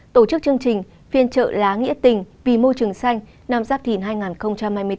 tổ chức chương trình phiên trợ lá nghĩa tình vì môi trường xanh năm giáp thìn hai nghìn hai mươi bốn